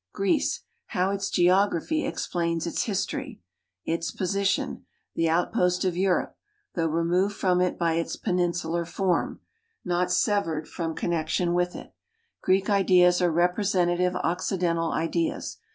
Greece: how its geography explains its history. Its position. The outpost of Europe; though removed from it by its peninsular form, not severed from connection with it. Greek ideas are representative occidental ideas.